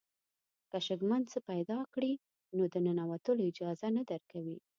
که شکمن څه پیدا کړي نو د ننوتلو اجازه نه درکوي.